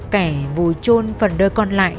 kẻ vùi trôn phần đời còn lại